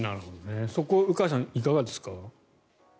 そこは鵜飼さん、いかがですか？